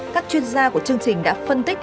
các chuyên gia của chương trình đã phân tích